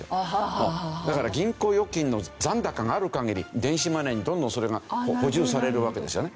だから銀行預金の残高がある限り電子マネーにどんどんそれが補充されるわけですよね。